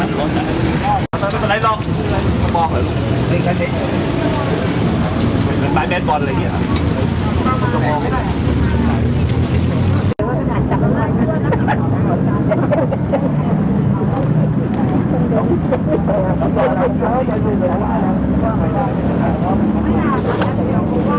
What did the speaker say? อันนี้เป็นสิ่งที่จะให้ทุกคนรู้สึกว่ามันเป็นสิ่งที่จะให้ทุกคนรู้สึกว่ามันเป็นสิ่งที่จะให้ทุกคนรู้สึกว่า